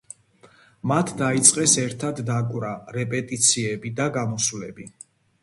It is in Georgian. მათ დაიწყეს ერთად დაკვრა, რეპეტიციები და გამოსვლები.